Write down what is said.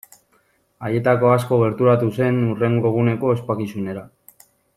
Haietako asko gerturatu zen hurrengo eguneko ospakizunera.